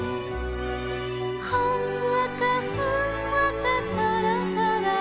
「ほんわかふんわかそろそろり」